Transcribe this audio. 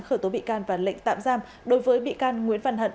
khởi tố bị can và lệnh tạm giam đối với bị can nguyễn văn hận